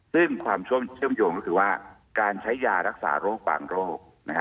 ซึ่งความเชื่อมโยงก็คือว่าการใช้ยารักษาโรคบางโรค